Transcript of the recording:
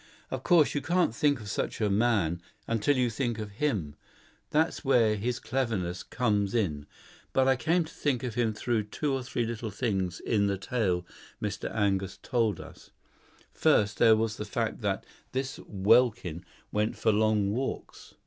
"Of course you can't think of such a man, until you do think of him. That's where his cleverness comes in. But I came to think of him through two or three little things in the tale Mr. Angus told us. First, there was the fact that this Welkin went for long walks.